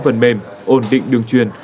phần mềm ổn định đường truyền